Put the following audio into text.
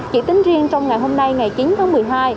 chỉ tính riêng trong ngày hôm nay ngày chín tháng một mươi hai